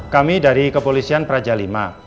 kami dari kepolisian praja v